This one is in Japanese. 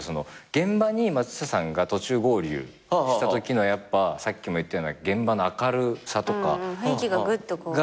現場に松下さんが途中合流したときのやっぱさっきも言ったような現場の明るさとか。雰囲気がぐっとこう変わった。